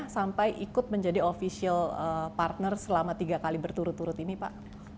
sampai ikut menjadi official partner selama tiga kali berturut turut ini pak